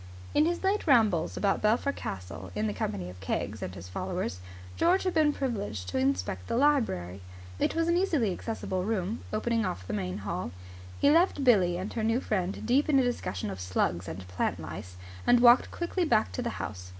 In his late rambles about Belpher Castle in the company of Keggs and his followers, George had been privileged to inspect the library. It was an easily accessible room, opening off the main hall. He left Billie and her new friend deep in a discussion of slugs and plant lice, and walked quickly back to the house.